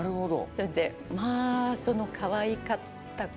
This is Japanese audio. それでまあそのかわいかった事といったら。